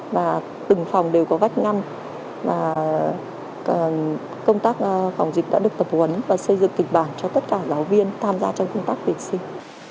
và từng phòng đều có vách ngăn công tác phòng dịch đã được tập huấn và xây dựng kịch bản cho tất cả giáo viên tham gia trong công tác tuyển sinh